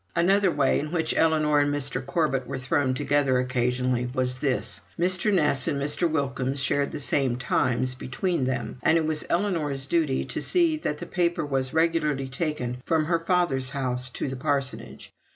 Another way in which Ellinor and Mr. Corbet were thrown together occasionally was this: Mr. Ness and Mr. Wilkins shared the same Times between them; and it was Ellinor's duty to see that the paper was regularly taken from her father's house to the parsonage.